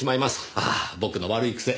ああ僕の悪い癖。